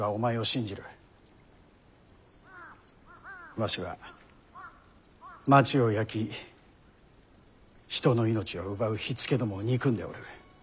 わしは町を焼き人の命を奪う火付けどもを憎んでおる。